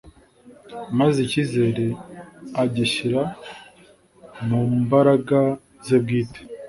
maze icyizere agishyira mu mbaraga ze bwite